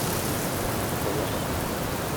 Beṭlen.